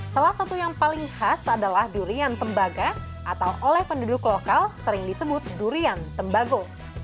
salah satu yang paling khas adalah durian tembaga atau oleh penduduk lokal sering disebut durian tembago